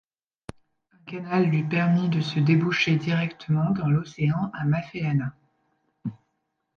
Un canal lui permit de se déboucher directement dans l'océan à Maphelana.